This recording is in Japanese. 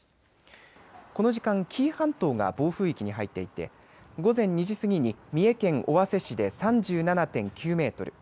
この時間紀伊半島が暴風域に入っていて午前２時過ぎに三重県尾鷲市で３７．９メートル